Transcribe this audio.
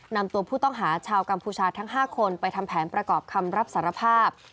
นำตัวผู้ต้องหาชาวกัมพูชาทั้ง๕คนไปทำแผนประกอบคำรับสารภาพ